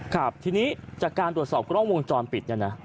ครับทีนี้จากการตรวจสอบกล้องวงจรปิดเนี่ยนะ